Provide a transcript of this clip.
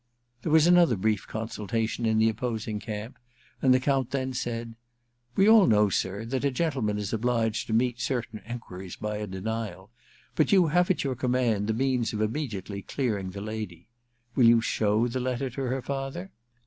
There was another brief consultation in the opposing camp, and the Count then said :—* We all know, sir, that a gentleman is obliged to meet certain enquiries by a denial ; but you II ENTERTAINMENT 333 have at your command the means of imme diately clearing the lady. Will you show the letter to her father